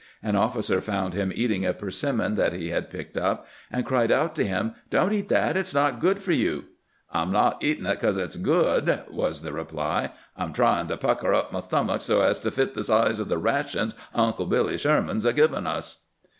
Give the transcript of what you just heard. An officer found him eating a persimmon that he had picked up, and cried out to him, ' Don't eat that ; it 's not good for you.' * I 'm not eatin' it because it 's good,' was the re ply ;' I 'm tryin' to pucker up my stomach so as to fit the size of the rations Uncle Billy Sherman 's a givin' us.'"